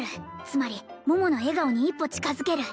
つまり桃の笑顔に一歩近づける